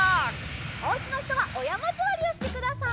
おうちのひとはおやまずわりをしてください。